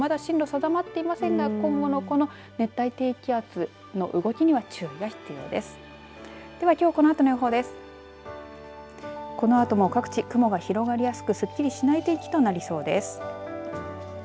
予報円大きくまだ進路定まってませんが今後、熱帯低気圧の動きには注意が必要です。